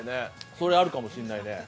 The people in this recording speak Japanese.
それもあるかもしれないね。